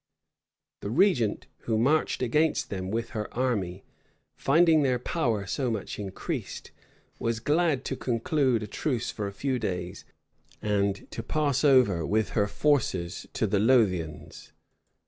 The regent, who marched against them with her army, finding their power so much increased, was glad to conclude a truce for a few days, and to pass over with her forces to the Lothians.